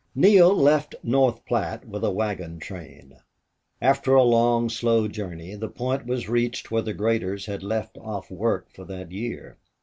Neale left North Platte with a wagon train. After a long, slow journey the point was reached where the graders had left off work for that year.